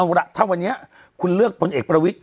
เอาล่ะถ้าวันนี้คุณเลือกพลเอกประวิทย